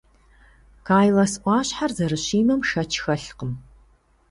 Кайлас ӏуащхьэр зэрыщимэм шэч хэлъкъым.